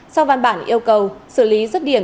sau văn bản yêu cầu xử lý rớt điểm